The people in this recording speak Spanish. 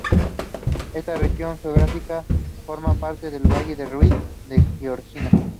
Esta región geográfica forma parte del Valle del Rift de Jordania.